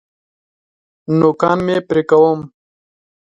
نوکان مي پرې کوم .